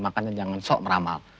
makanya jangan sok meramal